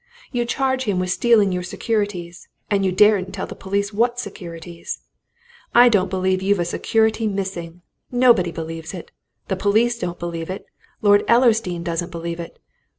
You charge him with stealing your securities and you daren't tell the police what securities! I don't believe you've a security missing! Nobody believes it! The police don't believe it. Lord Ellersdeane doesn't believe it.